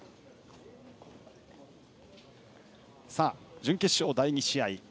準決勝第２試合。